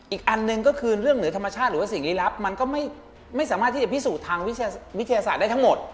อีกอันหนึ่งก็คือเรื่องเหนือธรรมชาติหรือว่าสิ่งลี้ลับมันก็ไม่สามารถที่จะพิสูจน์ทางวิทยาศาสตร์ได้ทั้งหมด